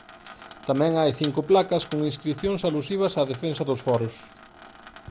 Tamén hai cinco placas con inscricións alusivas á defensa dos Foros.